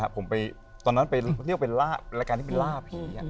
ผมไปของตอนนั้นไปที่ว่าเป็นรการที่ละพี